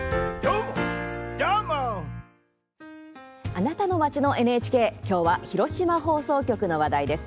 「あなたの街のＮＨＫ」今日は広島放送局の話題です。